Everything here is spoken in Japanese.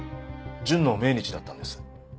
純の命日だったんです。